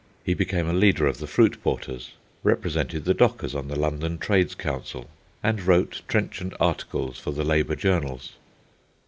He became a leader of the fruit porters, represented the dockers on the London Trades Council, and wrote trenchant articles for the labour journals.